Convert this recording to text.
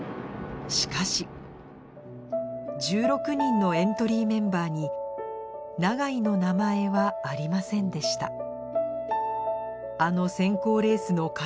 しかし１６人のエントリーメンバーに永井の名前はありませんでした